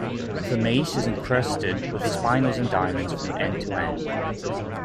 The mace is encrusted with spinels and diamonds, from end to end.